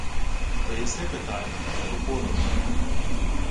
— Хто єси, питаю. Роду-породу.